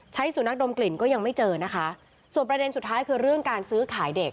สุนัขดมกลิ่นก็ยังไม่เจอนะคะส่วนประเด็นสุดท้ายคือเรื่องการซื้อขายเด็ก